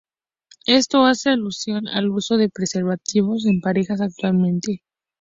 Esto hace alusión al uso de preservativos en las parejas actualmente.